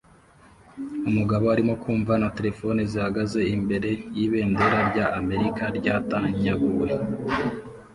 Umugabo arimo kumva na terefone zihagaze imbere yibendera rya Amerika ryatanyaguwe